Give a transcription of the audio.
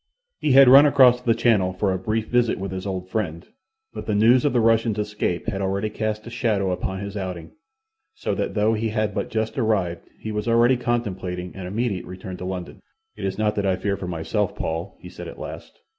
He had run across the Channel for a brief visit with his old friend, but the news of the Russian's escape had already cast a shadow upon his outing, so that though he had but just arrived he was already contemplating an immediate return to London. "It is not that I fear for myself, Paul," he said at last.